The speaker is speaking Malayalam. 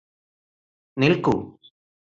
നിൽക്കൂ